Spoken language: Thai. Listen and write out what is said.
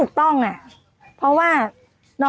กล้วยทอด๒๐๓๐บาท